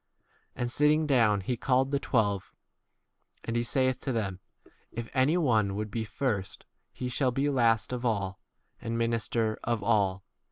And sitting down he called the twelve ; and he saith to them, If any one would be first, he shall be last of all, and minister of all.